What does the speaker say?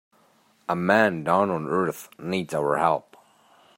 A man down on earth needs our help.